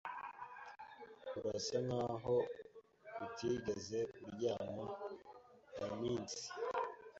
Urasa nkaho utigeze uryama muminsi.